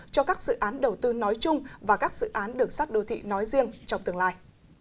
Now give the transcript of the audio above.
cho các dự án đầu tư nói chung và các dự án đường sắt đô thị nói riêng trong tương lai